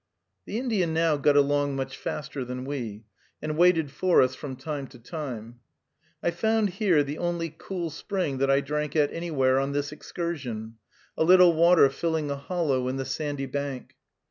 The Indian now got along much faster than we, and waited for us from time to time. I found here the only cool spring that I drank at anywhere on this excursion, a little water filling a hollow in the sandy bank.